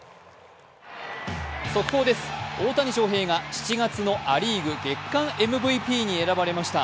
速報です、大谷翔平が７月のア・リーグ月間ＭＶＰに選ばれました。